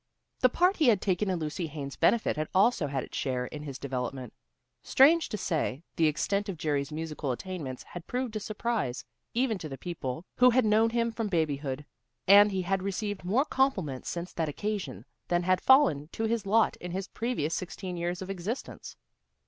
The part he had taken in Lucy Haines' benefit had also had its share in his development. Strange to say, the extent of Jerry's musical attainments had proved a surprise, even to the people who had known him from babyhood, and he had received more compliments since that occasion than had fallen to his lot in his previous sixteen years of existence.